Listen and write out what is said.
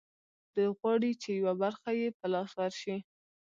دوی غواړي چې یوه برخه یې په لاس ورشي